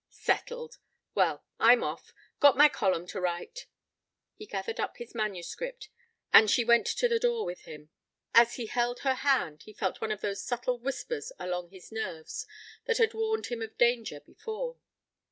"Settled. Well, I'm off. Got my column to write." He gathered up his manuscript, and she went to the door with him. As he held her hand, he felt one of those subtle whispers along his nerves that had warned him of danger before.